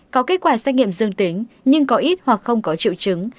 có kết quả xét nghiệm dương tính nhưng có ít hoặc không có triệu chứng